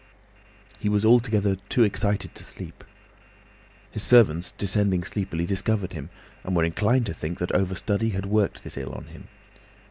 He was altogether too excited to sleep. His servants, descending sleepily, discovered him, and were inclined to think that over study had worked this ill on him.